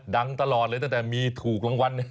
ดังตลอดเลยตั้งแต่มีถูกรางวัล